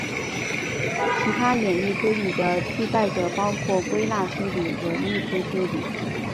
其他演绎推理的替代者包括归纳推理和逆推推理。